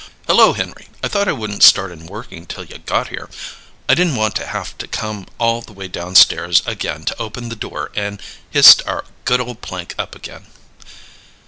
"Hello, Henry! I thought I wouldn't start in working till you got here. I didn't want to haf to come all the way downstairs again to open the door and hi'st our good ole plank up again."